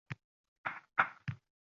Xijolat chekmang, mehmon, odatim shunaqa